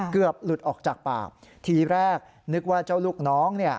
เกือบหลุดออกจากปากทีแรกนึกว่าเจ้าลูกน้องเนี่ย